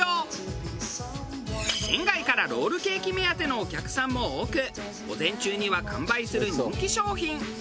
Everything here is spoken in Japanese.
県外からロールケーキ目当てのお客さんも多く午前中には完売する人気商品。